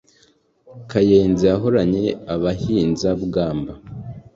kayenzi yahoranye abahinza b’ubugamba